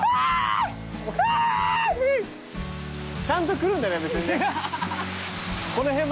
ちゃんと来るんだね